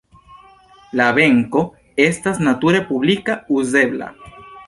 La benko estas nature publika, uzebla.